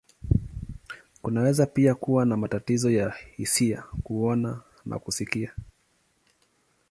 Kunaweza pia kuwa na matatizo ya hisia, kuona, na kusikia.